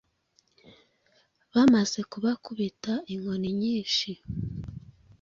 Bamaze kubakubita inkoni nyinshi,